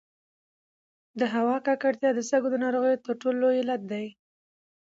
د هوا ککړتیا د سږو د ناروغیو تر ټولو لوی علت دی.